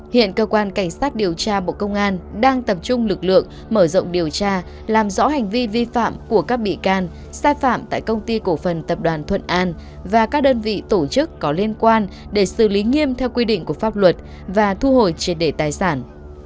hiện cơ quan cảnh sát điều tra bộ công an đang tập trung lực lượng mở rộng điều tra làm rõ hành vi vi phạm của các bị can sai phạm tại công ty cổ phần tập đoàn thuận an và các đơn vị tổ chức có liên quan để xử lý nghiêm theo quy định của pháp luật và thu hồi triệt để tài sản